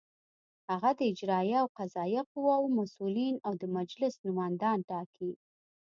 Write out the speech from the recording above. هغه د اجرائیه او قضائیه قواوو مسؤلین او د مجلس نوماندان ټاکي.